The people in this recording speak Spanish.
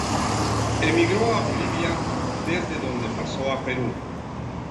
Emigró a Bolivia, desde donde pasó a Perú.